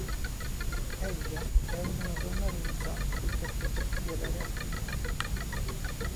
Helga è ora una donna realizzata che progetta di avere altri tre figli.